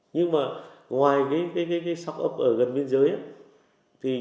nhưng ngoài sóc ấp ở gần biên giới